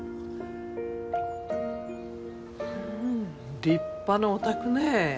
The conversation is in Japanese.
うん立派なお宅ね。